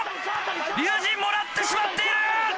龍心もらってしまっている！